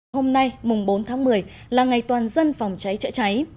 hôm nay mùng bốn tháng một mươi là ngày toàn dân phòng cháy chữa cháy